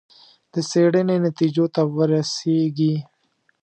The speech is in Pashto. د څېړنې نتیجو ته ورسېږي.